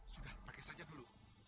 sudah pakai saja dulu